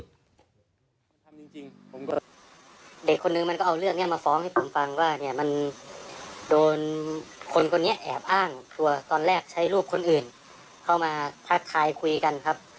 มันทำจริงผมก็เด็กคนนึงมันก็เอาเรื่องนี้มาฟ้องให้ผมฟังว่าเนี่ยมันโดนคนคนนี้แอบอ้างตัวตอนแรกใช้รูปคนอื่นเข้ามาทักทายคุยกันครับ